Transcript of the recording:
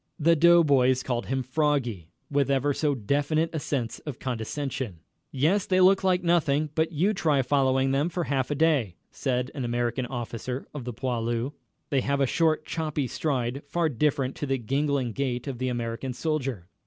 The doughboys called him "Froggy" with ever so definite a sense of condescension. "Yes, they look like nothing but you try following them for half a day," said an American officer of the "poilus." They have a short, choppy stride, far different to the gangling gait of the American soldier.